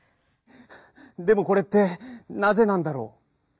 でもこれってなぜなんだろう？